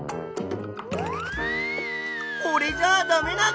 これじゃあダメなの？